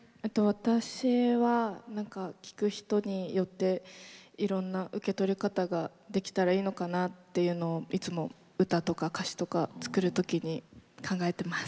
私はなんか聴く人によっていろんな受け取り方ができたらいいのかなというのをいつも歌とか歌詞とか作る時に考えてます。